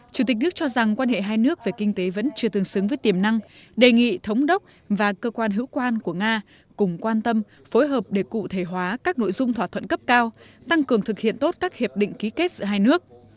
chủ tịch nước cho rằng quan hệ hai nước về kinh tế vẫn chưa tương xứng với tiềm năng đề nghị thống đốc và cơ quan hữu quan của nga cùng quan tâm phối hợp để cụ thể hóa các nội dung thỏa thuận cấp cao tăng cường thực hiện tốt các hiệp định ký kết giữa hai nước